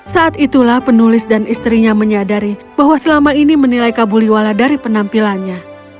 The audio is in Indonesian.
saat itulah penulis dan istrinya menyadari bahwa selama ini menilai kabuliwala dari penampilannya